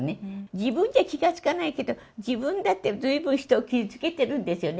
自分じゃ気が付かないけど、自分だってずいぶん人を傷つけてるんですよね。